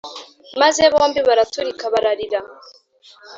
maze bombi baraturika bararira